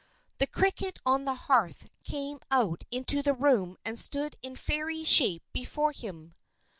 The cricket on the hearth came out into the room and stood in fairy shape before him.